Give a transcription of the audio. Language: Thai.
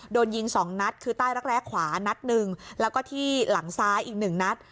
โดนยิง๒นัดคือใต้รักแร้ขวานัดหนึ่งแล้วก็ที่หลังซ้ายอีกหนึ่งนัด